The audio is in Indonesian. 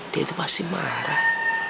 dia itu pasti marah